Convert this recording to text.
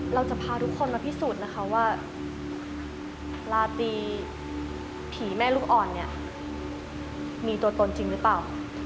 เราจะพาทุกคนมาพิสูจน์นะคะว่าราตรีผีแม่ลูกอ่อนเนี่ยมีตัวตนจริงหรือเปล่า